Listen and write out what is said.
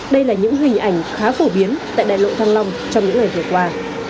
đây là những hình ảnh khá phổ biến tại đại lộ thăng lòng trong những ngày vừa qua